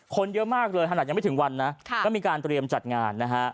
คนเยอะมากเลยขนาดยังไม่ถึงวันนะก็มีการเตรียมจัดงานนะฮะ